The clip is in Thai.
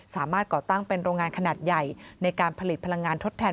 ก่อตั้งเป็นโรงงานขนาดใหญ่ในการผลิตพลังงานทดแทน